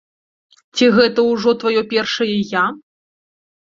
Ці гэта ўжо тваё першае я?